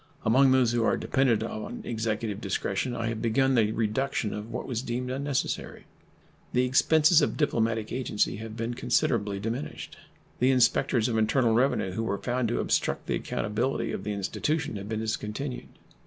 Among those who are dependent on Executive discretion I have begun the reduction of what was deemed unnecessary. The expenses of diplomatic agency have been considerably diminished. The inspectors of internal revenue who were found to obstruct the accountability of the institution have been discontinued.